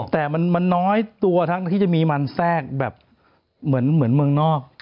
แต่มันน้อยตัวทั้งที่จะมีมันแทรกแบบเหมือนเมืองนอก